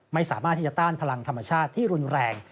ไม่สามารถที่จะต้านพลังธรรมชาติที่รุนแรง